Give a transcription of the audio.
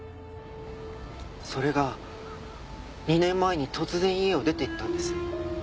それが２年前に突然家を出ていったんです。